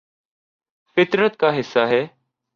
فطرت کا حصہ ہے